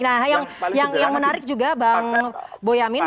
nah yang menarik juga bang boyamin